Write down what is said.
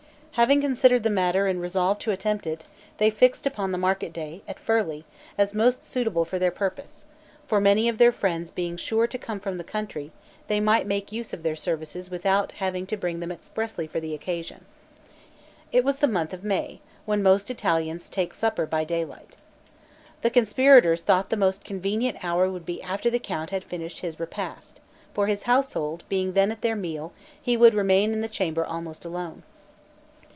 Having considered the matter and resolved to attempt it, they fixed upon the market day, at Furli, as most suitable for their purpose; for many of their friends being sure to come from the country, they might make use of their services without having to bring them expressly for the occasion. It was the month of May, when most Italians take supper by daylight. The conspirators thought the most convenient hour would be after the count had finished his repast; for his household being then at their meal, he would remain in the chamber almost alone.